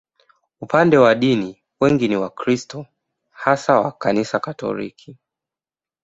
Upande wa dini, wengi ni Wakristo, hasa wa Kanisa Katoliki.